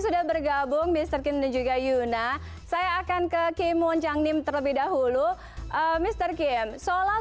sudah bergabung mister kim juga yuna saya akan ke kim wonjang nim terlebih dahulu mister kim soal